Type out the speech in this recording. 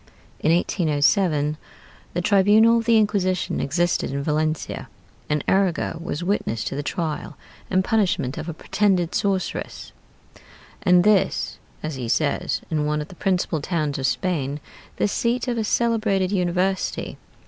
In 1807 the tribunal of the Inquisition existed in Valencia; and Arago was witness to the trial and punishment of a pretended sorceress, and this, as he says, in one of the principal towns of Spain, the seat of a celebrated university.